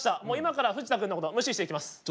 もう今から藤田君のこと無視していきます。